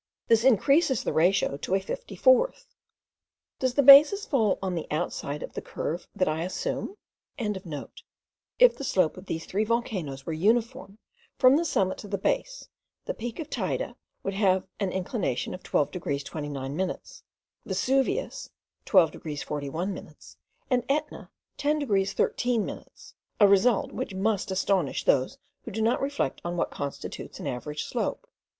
This increases the ratio to a fifty fourth. Does the basis fall on the outside of the curve that I assume?) If the slope of these three volcanoes were uniform from the summit to the base, the peak of Teyde would have an inclination of 12 degrees 29 minutes, Vesuvius 12 degrees 41 minutes, and Etna 10 degrees 13 minutes, a result which must astonish those who do not reflect on what constitutes an average slope.